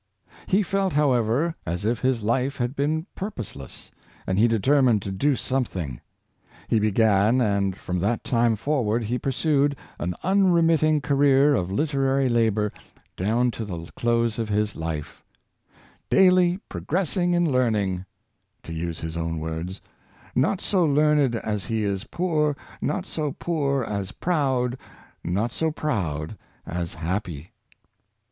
He felt, however, as if his life had been purposeless, and he determined to do something. He began, and from that time forward he pursued an unremitting career of literary labor down to the close of his life —" daily progressing in learning," to use his own words — "not so learned as he is poor, not so poor as proud, not so proud as happy."